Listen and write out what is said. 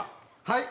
はい？